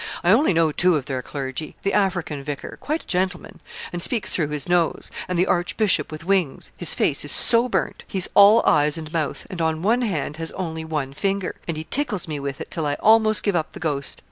I only know two of their clergy the African vicar, quite a gentleman, and speaks through his nose; and the archbishop with wings; his face is so burnt, he's all eyes and mouth, and on one hand has only one finger, and he tickles me with it till I almost give up the ghost.